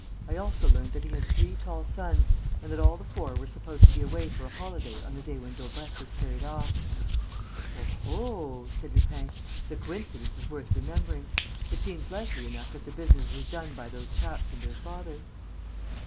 I also learnt that he has three tall sons and that all the four were supposed to be away for a holiday on the day when Daubrecq was carried off." "Oho!" said Lupin. "The coincidence is worth remembering. It seems likely enough that the business was done by those chaps and their father."